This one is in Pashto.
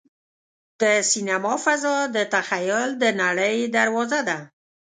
د سینما فضا د تخیل د نړۍ دروازه ده.